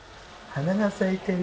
花が咲いてる。